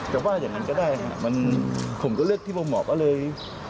แต่ว่าอย่างนั้นก็ได้ผมก็เลือกที่บ่งหมอก็เลย